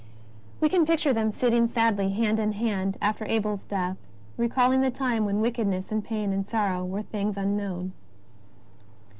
We can picture them sitting sadly hand in hand after Abel's death, recalling the time when wicked ness and pain and sorrow were things unknown.